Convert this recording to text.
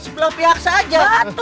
sebelah pihak saja